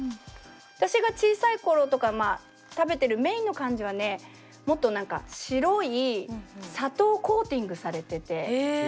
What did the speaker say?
私が小さい頃とかまあ食べてるメインの感じはねもっとなんか白い砂糖コーティングされてて。